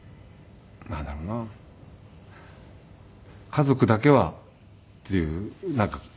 家族だけはっていうなんか。